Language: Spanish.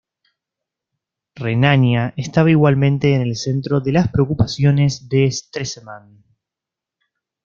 Renania estaba igualmente en el centro de las preocupaciones de Stresemann.